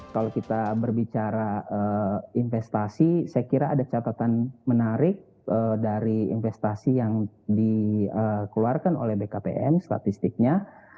kalau kita berbicara investasi saya kira ada catatan menarik dari investasi yang dikeluarkan oleh bkpm statistiknya